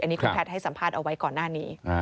อันนี้คุณแพทย์ให้สัมภาษณ์เอาไว้ก่อนหน้านี้